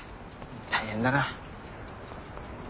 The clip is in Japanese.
大変だな。